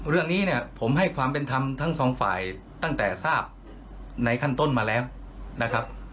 เรื่องนี้เนี่ยผมให้ความเป็นธรรมทั้งสองฝ่ายตั้งแต่ทราบในขั้นต้นมาแล้วนะครับ